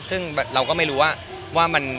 ซึ่งเราก็ไม่รู้ว่ามัน